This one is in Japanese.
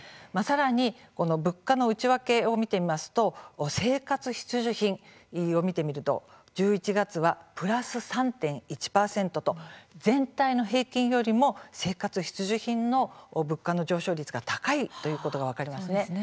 さらに物価の内訳を見てみますと生活必需品を見てみると１１月はプラス３．１％と全体の平均よりも生活必需品の物価上昇率が高いことが分かります。